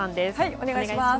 お願いします。